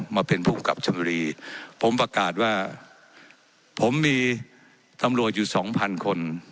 มาเป็นภูมิกับชนบุรีผมประกาศว่าผมมีตำรวจอยู่สองพันคน